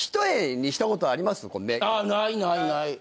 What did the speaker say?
ないないない。